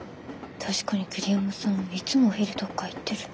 確かに桐山さんいつもお昼どっか行ってる。